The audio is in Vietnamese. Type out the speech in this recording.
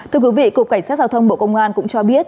thưa quý vị cục cảnh sát giao thông bộ công an cũng cho biết